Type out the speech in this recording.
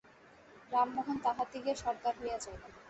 রামমোহন তাহাদিগের সর্দার হইয়া যাইবে।